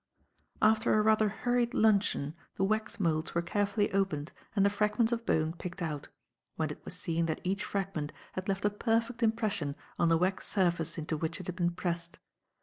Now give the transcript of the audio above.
After a rather hurried luncheon, the wax moulds were carefully opened and the fragments of bone picked out, when it was seen that each fragment had left a perfect impression on the wax surface into which it had been pressed.